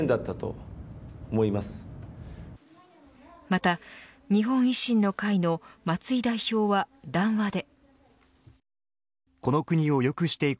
また日本維新の会の松井代表は談話で。